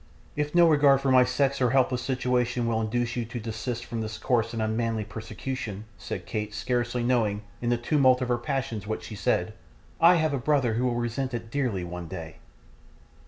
'If no regard for my sex or helpless situation will induce you to desist from this coarse and unmanly persecution,' said Kate, scarcely knowing, in the tumult of her passions, what she said, 'I have a brother who will resent it dearly, one day.